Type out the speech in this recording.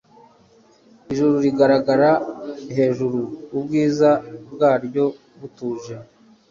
Ijuru rigaragara hejuru ubwiza bwaryo butuje